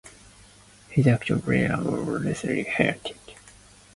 His actions were indelibly fueled by racial hatred.